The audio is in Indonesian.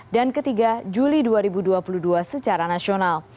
ketiga juli dua ribu dua puluh dua secara nasional